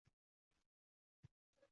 Bir qizni ko’rdim men, dil bo’ldi g’amdor.